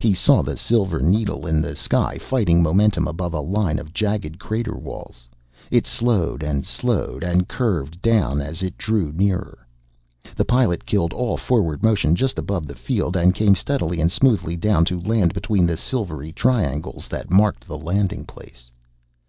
He saw the silver needle in the sky fighting momentum above a line of jagged crater walls. It slowed, and slowed, and curved down as it drew nearer. The pilot killed all forward motion just above the field and came steadily and smoothly down to land between the silvery triangles that marked the landing place.